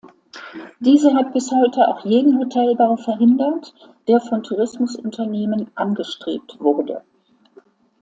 Diese hat bis heute auch jeden Hotelbau verhindert, der von Tourismusunternehmen angestrebt wurde.